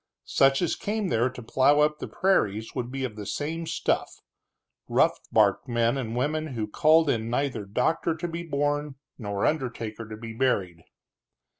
Such as came there to plow up the prairies would be of the same stuff, rough barked men and women who called in neither doctor to be born nor undertaker to be buried.